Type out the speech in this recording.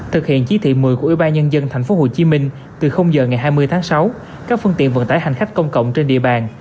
thực hiện chí thị một mươi của ubnd tp hcm từ giờ ngày hai mươi tháng sáu các phương tiện vận tải hành khách công cộng trên địa bàn